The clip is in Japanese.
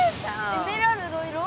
エメラルド色？